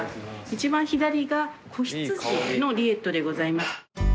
一番左が仔羊のリエットでございます。